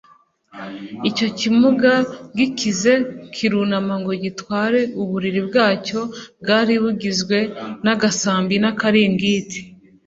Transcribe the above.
Icyo kimuga gikize kirunama ngo gitware uburiri bwacyo bwari bugizwe n'agasambi n'akaringiti,